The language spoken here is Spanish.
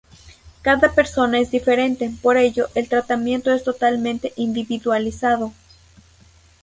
Cada persona es diferente; por ello, el tratamiento es totalmente individualizado.